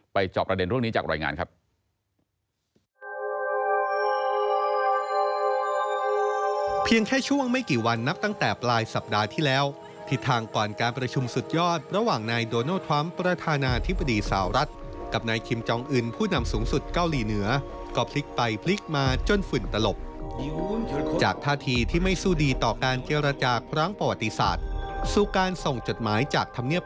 จอบประเด็นเรื่องนี้จากรายงานครับ